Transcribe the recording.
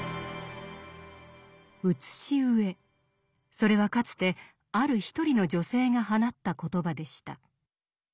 それはかつてある一人の女性が放った言葉でした。